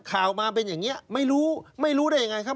ข่าวมาเป็นอย่างนี้ไม่รู้ไม่รู้ได้ยังไงครับ